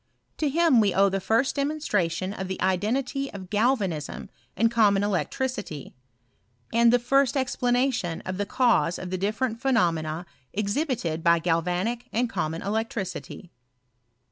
To him we owe the first demonstra tion of the identity of galvanism and common elec tricity ; and the first explanation of the cause of the different phenomena exhibited by galvanic and com mon electricity.